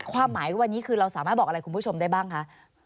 ความหมายวันนี้คือเราสามารถบอกอะไรคุณผู้ชมได้บ้างคะ